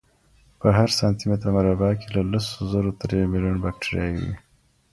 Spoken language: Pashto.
په هر سانتي متر مربع کې له لسو زرو تر یو میلیون باکتریاوې وي.